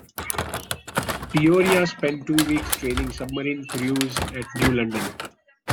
"Peoria" spent two weeks training submarine crews at New London.